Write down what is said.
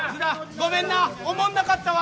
ごめんな、おもんなかったわ。